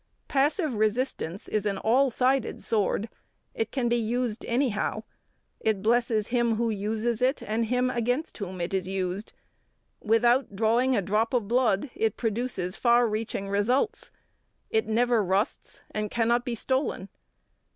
Passive resistance is an all sided sword; it can be used anyhow; it blesses him who uses it and him against whom it is used. Without drawing a drop of blood, it produces far reaching results. It never rusts, and cannot be stolen.